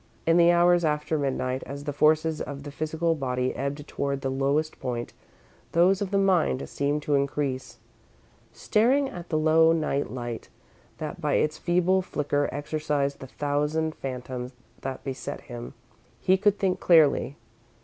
In the hours after midnight, as the forces of the physical body ebbed toward the lowest point, those of the mind seemed to increase. Staring at the low night light, that by its feeble flicker exorcised the thousand phantoms that beset him, he could think clearly.